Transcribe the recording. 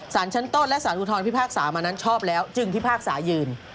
สารชั้นต้นและสารอุทธรพิพากษามานั้นชอบแล้วจึงพิพากษายืน